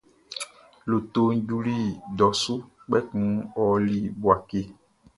Lotoʼn juli dɔ su, kpɛkun ɔ ɔli Bouaké.